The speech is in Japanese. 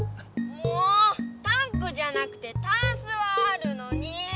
もうタンクじゃなくてタンスはあるのに！